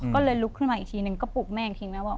ก็เลยลุกขึ้นมาอีกทีหนึ่งก็ปลุกแม่อีกที